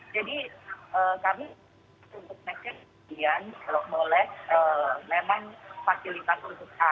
jadi kami untuk mengucapkan kebijakan kalau boleh memang fasilitas untuk anak itu dapat diinginkan